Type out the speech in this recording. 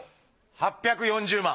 ８４０万。